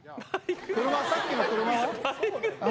車、さっきの車は？